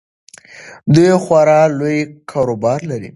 دوی خورا لوی کاروبار لري.